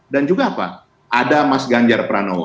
dan juga apa ada mas ganjar pranowo